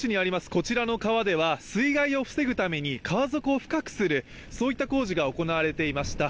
こちらの川では水害を防ぐために川底を深くするそういった工事が行われていました。